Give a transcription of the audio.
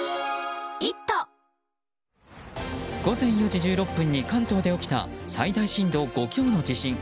午前４時１６分に関東で起きた最大震度５強の地震。